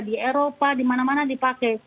di eropa dimana mana dipakai